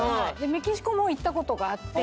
メキシコも行ったことがあって。